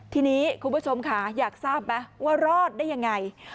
ทีนี้คุณผู้ชมค่ะอยากทราบไหมว่ารอดได้ยังไง